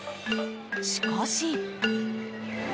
しかし。